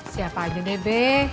siapa aja bebe